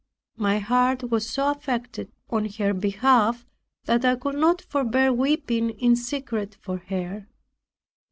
My heart was so affected on her behalf, that I could not forbear weeping in secret for her.